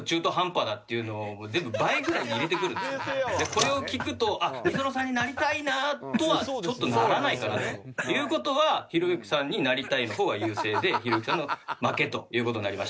これを聞くとｍｉｓｏｎｏさんになりたいなとはちょっとならないかなという事はひろゆきさんになりたいの方が優勢でひろゆきさんの負けという事になりました。